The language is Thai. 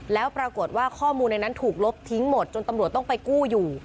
แล้วปรากฏว่าข้อมูลในนั้นถูกลบทิ้งหมดจนตำรวจต้องไปกู้อยู่